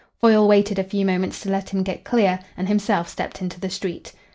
Foyle waited a few moments to let him get clear, and himself stepped into the street.